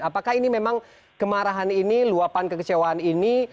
apakah ini memang kemarahan ini luapan kekecewaan ini